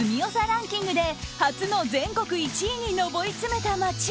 ランキングで初の全国１位に上り詰めた街。